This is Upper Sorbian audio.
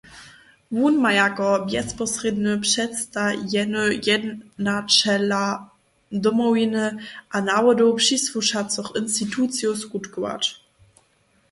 Wón ma jako bjezposrědny předstajeny jednaćela Domowiny a nawodow přisłušacych institucijow skutkować.